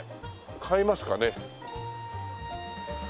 買いますかね。